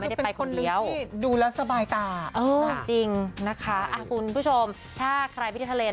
ไม่ได้ไปคนเดียวจริงนะคะคุณผู้ชมถ้าใครไปที่ทะเล